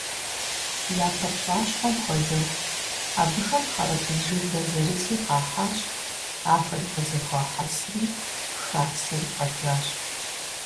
Япэ пцӀащхъуэм хуэдэу, абыхэм хьэрбыз жылэ зэрызи къахьащ, ахэри къызэхуахьэсри хасэри къэкӀащ.